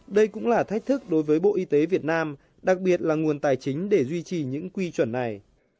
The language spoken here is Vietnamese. đây cũng là thách thức đối với bộ y tế việt nam đặc biệt là nguồn tài chính để duy trì những quy chuẩn này